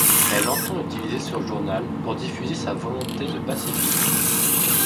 Elle entend utiliser ce journal pour diffuser sa volonté de pacifisme.